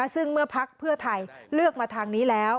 ซึ่งเมื่อพักเพื่อไทยเลือกมาทางนี้แล้ว